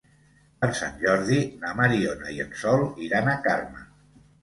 Per Sant Jordi na Mariona i en Sol iran a Carme.